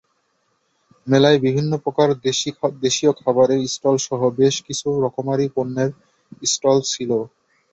মেলায় বিভিন্ন প্রকার দেশীয় খাবারের স্টলসহ বেশ কিছু রকমারি পণ্যের স্টল ছিল।